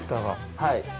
はい。